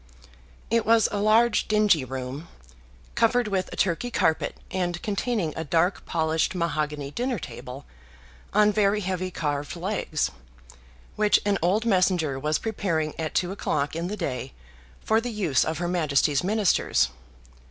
It was a large dingy room, covered with a Turkey carpet, and containing a dark polished mahogany dinner table, on very heavy carved legs, which an old messenger was preparing at two o'clock in the day for the use of her Majesty's Ministers.